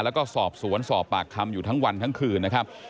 แล้วก็สอบสวนสอบปากคำอยู่ทั้งวันทั้งคืนนะครับ